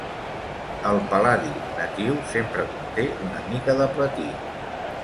El pal·ladi natiu sempre conté una mica de platí.